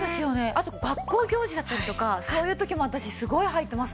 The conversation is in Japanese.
あと学校行事だったりとかそういう時も私すごいはいています。